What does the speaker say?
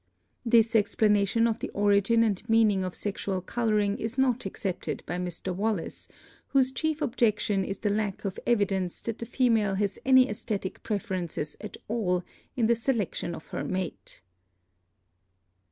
This explanation of the origin and meaning of sexual coloring is not accepted by Mr. Wallace, whose chief objection is the lack of evi dence that the female has any esthetic preferences at all in the selection of her mate.